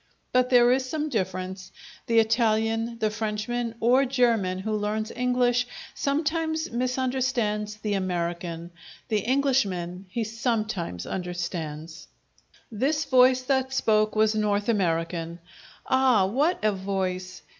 But there is some difference: the Italian, the Frenchman, or German who learns English sometimes misunderstands the American: the Englishman he sometimes understands. This voice that spoke was North American. Ah, what a voice!